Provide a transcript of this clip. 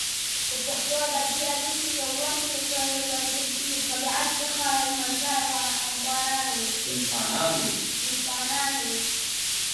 په پښتو ادبیاتو کښي یو وخت له طبیعت څخه منظر انسانان ول.